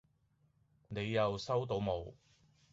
你又收到冇